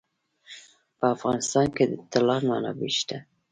په افغانستان کې د طلا منابع شته.